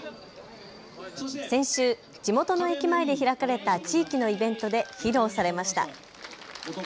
先週、地元の駅前で開かれた地域のイベントで披露されました。